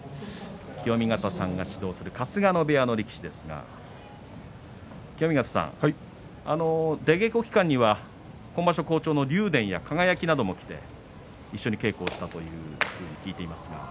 清見潟さんが指導する春日野部屋の力士ですが清見潟さん、出稽古期間には今場所好調の竜電や輝なども来て一緒に稽古をしたと聞いていますが。